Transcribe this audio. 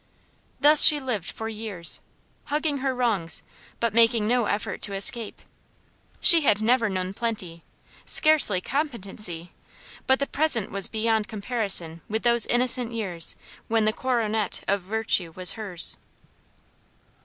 Thus she lived for years, hugging her wrongs, but making no effort to escape. She had never known plenty, scarcely competency; but the present was beyond comparison with those innocent years when the coronet of virtue was hers.